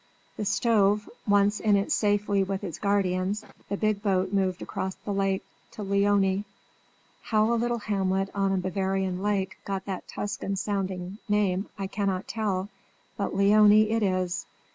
The stove, once in it safely with its guardians, the big boat moved across the lake to Leoni. How a little hamlet on a Bavarian lake got that Tuscan sounding name I cannot tell; but Leoni it is.